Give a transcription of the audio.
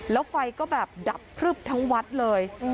แล้วไฟก็แบบดับพลึบทั้งวัดเลย